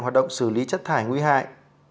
hoạt động xử lý chất thải nguy hại